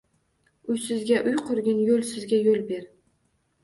Uysizga – uy qurgin, yo‘lsizga – yo‘l ber